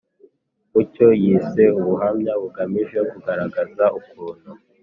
mu cyo yise ubuhamya bugamije kugaragaza ukuntu